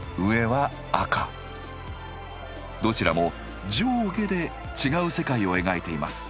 どちらも上下で違う世界を描いています。